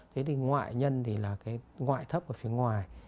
thế thì ngoại nhân thì là cái ngoại thấp ở phía ngoài